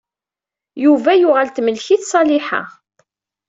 Yuba yuɣal temmlek-it Ṣaliḥa.